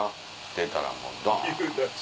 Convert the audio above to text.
出たらもうドン。